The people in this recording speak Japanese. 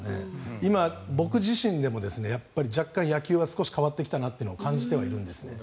今、僕自身でも若干野球は少し変わってきたなと感じてはいるんですね。